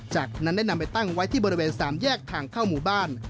จากนั้นได้นำไปตั้งไว้ที่บริเวณสามแยกทางเข้าหมู่บ้าน